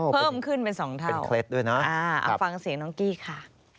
เพิ่มขึ้นเป็นสองท่านเป็นเคล็ดด้วยนะฟังเสียงน้องกี้ค่ะ